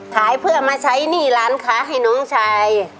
ขายเพื่อมาใช้หนี้ร้านค้าให้น้องชาย